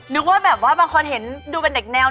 นึกว่าแบบว่าบางคนเห็นดูเป็นเด็กแนว